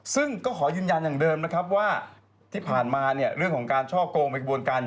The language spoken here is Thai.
ซึ่งก็ขอยืนยันอย่างเดิมนะครับว่า